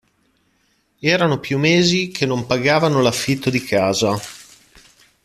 Erano più mesi che non pagavano l'affitto di casa.